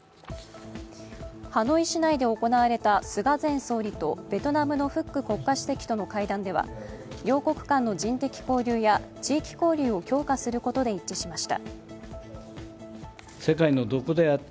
ハノイ市内で行われた菅前総理とベトナムのフック国家主席との会談では両国間の人的交流や地域交流を強化することで一致しました。